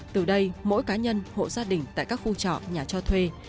từ đây mỗi cá nhân hộ gia đình tại các khu trọ nhà cho thuê